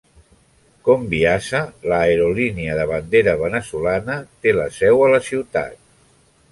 Conviasa, la aerolínia de bandera veneçolana, té la seu a la ciutat.